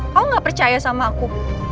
kau gak percaya sama aku